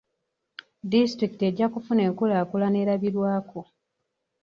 Disitulikiti ejja kufuna enkulaakulana erabirwako.